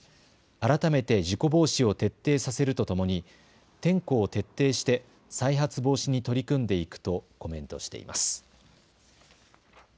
改めて事故防止を徹底させるとともに点呼を徹底して再発防止に取り組んでいくとコメントしています。